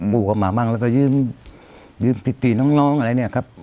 กูเข้ามาบ้างแล้วก็ยืมยืมพิธีน้องน้องอะไรเนี้ยครับ